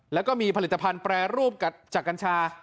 แล้วก็มีผลิตภัณฑ์แปรรูปจากกัญชา